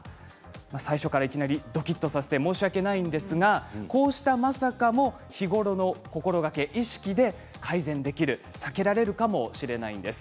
最初からいきなりどきっとさせて申し訳ないんですがこうしたまさかも日頃の心がけ、意識で改善できる避けられるかもしれないんです。